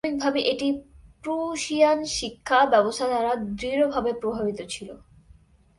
প্রাথমিকভাবে, এটি প্রুশিয়ান শিক্ষা ব্যবস্থা দ্বারা দৃঢ়ভাবে প্রভাবিত ছিল।